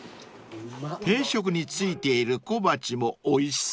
［定食に付いている小鉢もおいしそう］